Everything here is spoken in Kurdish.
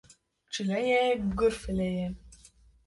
Çile ye, gur file ye